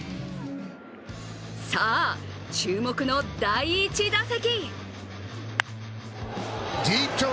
さあ、注目の第１打席。